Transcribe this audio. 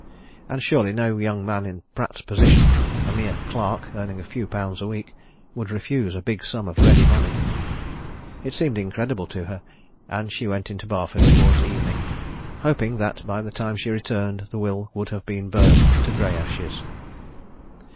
And surely no young man in Pratt's position a mere clerk, earning a few pounds a week would refuse a big sum of ready money! It seemed incredible to her and she went into Barford towards evening hoping that by the time she returned the will would have been burned to grey ashes.